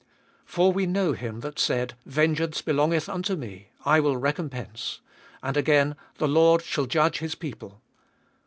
For we know Him that said, Vengeance belongeth unto Me, I will recompense. And again, the Lord shall judge His people.